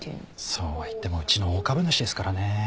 そうは言ってもうちの大株主ですからね。